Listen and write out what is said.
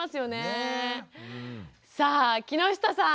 さあ木下さん。